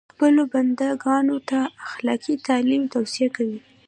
خپلو بنده ګانو ته اخلاقي تعالي توصیه کوي.